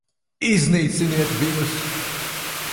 Iznīciniet viņus!